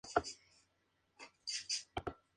Fue un partido histórico.